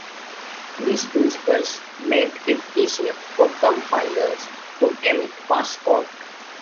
These principles made it easier for compilers to emit fast code.